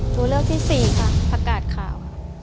ตัวเลือกที่๔ค่ะพักกาสข่าว